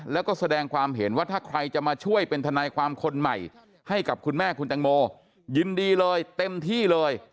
แล้วก็แสดงความเห็นว่าถ้าใครจะมาช่วยเป็นทนายความคนใหม่ให้กับคุณแม่คุณแตงโมยินดีเลยเต็มที่เลย